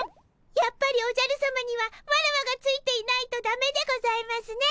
やっぱりおじゃるさまにはワラワがついていないとだめでございますね。